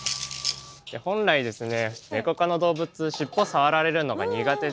本来ですねネコ科の動物しっぽ触られるのが苦手です。